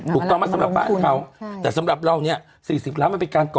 ถูกต้องไหมสำหรับบ้านเขาแต่สำหรับเราเนี่ย๔๐ล้านมันเป็นการก่อ